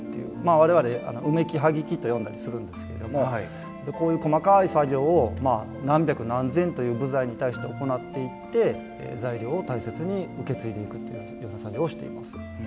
我々埋木・はぎ木と呼んだりするんですけれどもこういう細かい作業を何百何千という部材に対して行っていって材料を大切に受け継いでいくという作業をしています。